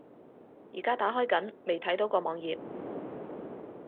而家打開緊，未睇到個網頁￼